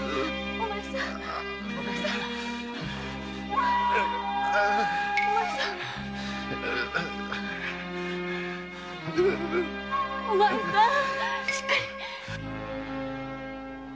おまえさんしっかり！